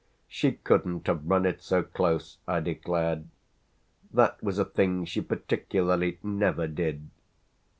"She couldn't have run it so close," I declared. "That was a thing she particularly never did."